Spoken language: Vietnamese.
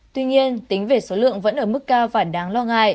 tuy nhiên tính về số lượng vẫn ở mức cao và đáng lo ngại